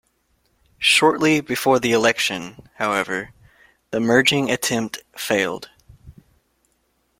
Shortly before the election, however, the merging attempt failed.